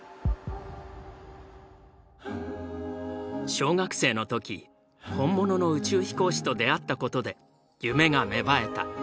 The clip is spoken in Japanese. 小学生の時本物の宇宙飛行士と出会ったことで夢が芽生えた。